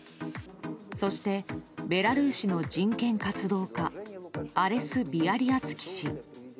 そして、ベラルーシの人権活動家アレス・ビアリアツキ氏。